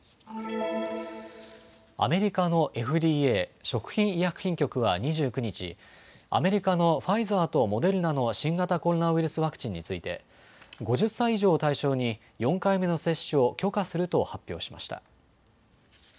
アメリカのＦＤＡ・食品医薬品局は２９日、アメリカのファイザーとモデルナの新型コロナウイルスワクチンについて５０歳以上を対象に４回目の接種を許可すると発表しました。